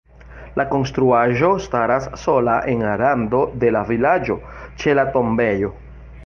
La konstruaĵo staras sola en rando de la vilaĝo ĉe la tombejo.